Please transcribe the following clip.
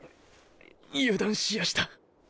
油断しやした。